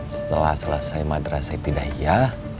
setelah selesai madrasah tidak iya